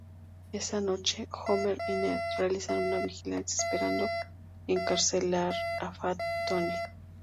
Esa noche, Homer y Ned realizan una vigilancia, esperando encarcelar a Fat Tony.